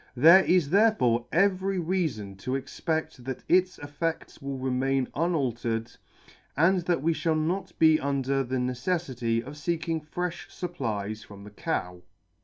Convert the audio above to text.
There is therefore every reafon to exped that its effeds will remain unaltered, and that we lliall not be under the neceflity of feeking frefh fupplies from the cow.